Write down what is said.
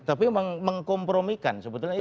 tapi mengkompromikan sebetulnya itu